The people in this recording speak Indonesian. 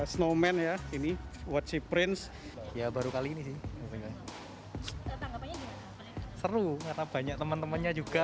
snowman ya ini what's the prince ya baru kali ini sih seru karena banyak teman temannya juga